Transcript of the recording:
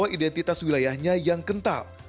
identitas wilayahnya yang kental